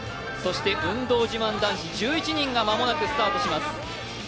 運動自慢男子１１人が間もなくスタートします。